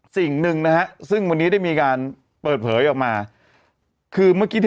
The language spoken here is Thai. สิ่งหนึ่งนะฮะซึ่งวันนี้ได้มีการเปิดเผยออกมาคือเมื่อกี้ที่